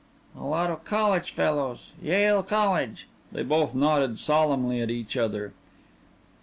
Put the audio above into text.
"A lot of college fellas. Yale College." They both nodded solemnly at each other.